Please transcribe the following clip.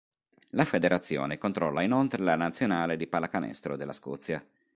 La federazione controlla inoltre la nazionale di pallacanestro della Scozia.